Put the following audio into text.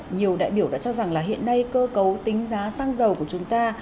nhiều đại biểu đã cho rằng là hiện nay cơ cấu tính giá xăng dầu của chúng ta